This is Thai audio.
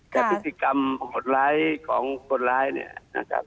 แต่พฤติกรรมโหดร้ายของคนร้ายเนี่ยนะครับ